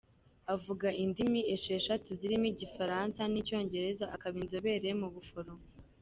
Avuga indimi esheshatu zirimo Igifaransa. n’Icyongereza Akaba inzobere mu Buforomo.